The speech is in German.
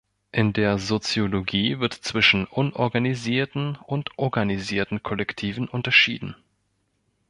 In der Soziologie wird zwischen unorganisierten und organisierten Kollektiven unterschieden.